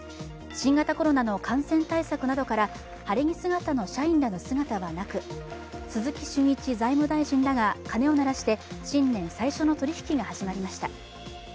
新型コロナの感染対策などから晴れ着姿の社員の姿はなく鈴木俊一財務大臣らが鐘を鳴らして新年最初の取引が始まりました。